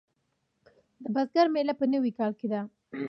د بزګر میله په نوي کال کې ده.